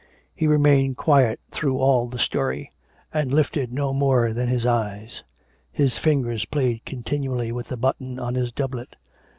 He remained quiet through all the story; and lifted no more than his eyes. His fingers played continually with a button on his doublet.